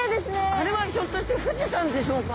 あれはひょっとして富士山でしょうか？